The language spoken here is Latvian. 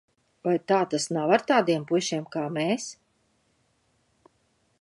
Vai tā tas nav ar tādiem puišiem kā mēs?